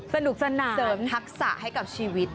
สนุกสนานเสริมทักษะให้กับชีวิต